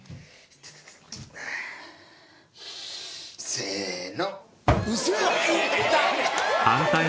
せの！